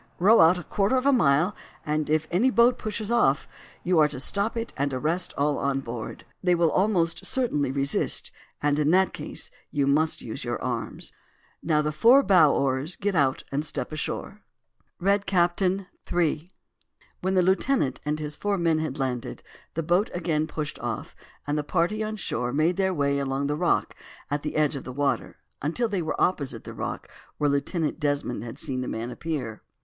Row out a quarter of a mile, and if any boat pushes off you are to stop it and arrest all on board. They will almost certainly resist, and in that case you must use your arms. Now, the four bow oars get out and step ashore." THE RED CAPTAIN.—III. When the lieutenant and his four men had landed, the boat again pushed off, and the party on shore made their way along over the rocks at the edge of the water, until they were opposite the rock where Lieutenant Desmond had seen the man appear.